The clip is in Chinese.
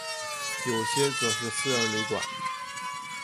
有些则是私人旅馆。